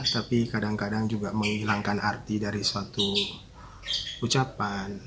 tapi kadang kadang juga menghilangkan arti dari suatu ucapan